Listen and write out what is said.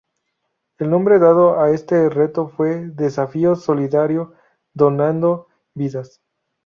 El nombre dado a este reto fue "Desafío Solidario Donando Vidas".